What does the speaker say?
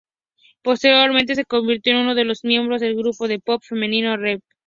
Posteriormente se convirtió en uno de los miembros del grupo de pop femenino, Rev.